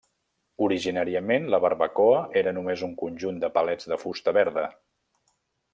Originàriament, la barbacoa era només un conjunt de palets de fusta verda.